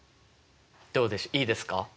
どうでしょういいですか？